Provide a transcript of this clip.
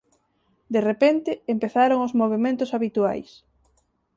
De repente empezaron os movementos habituais.